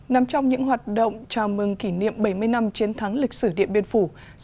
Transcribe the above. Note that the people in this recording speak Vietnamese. nằm trong những hoạt động chào mừng kỷ niệm bảy mươi năm chiến thắng lịch sử điện biên phủ